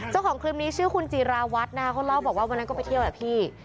เจ้าของคลิปนี้ชื่อคุณจิราวัฒน์นะคะเขาเล่าบอกว่าวันนั้นก็ไปเที่ยวอะพี่